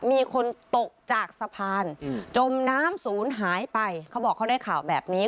มีคนตกจากสะพานจมน้ำศูนย์หายไปเขาบอกเขาได้ข่าวแบบนี้